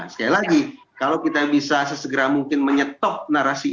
sekali lagi kalau kita bisa sesegera mungkin menyetop narasi ini